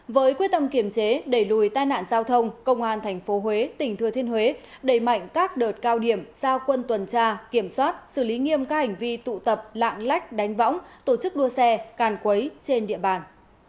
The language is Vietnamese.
với quyết tâm kiểm chế đẩy lùi tai nạn giao thông công an tp huế tỉnh thừa thiên huế đẩy mạnh các đợt cao điểm giao quân tuần tra kiểm soát xử lý nghiêm các hành vi tụ tập lạng lách đánh võng tổ chức đua xe càn quấy trên địa bàn